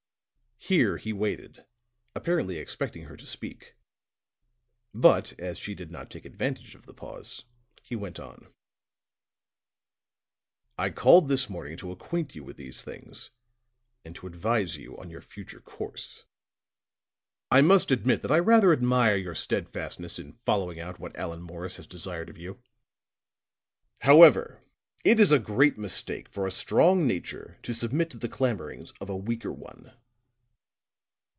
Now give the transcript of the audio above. Here he waited, apparently expecting her to speak. But as she did not take advantage of the pause, he went on: "I called this morning to acquaint you with these things and to advise you on your future course. I must admit that I rather admire your steadfastness in following out what Allan Morris has desired of you; however, it is a great mistake for a strong nature to submit to the clamorings of a weaker one."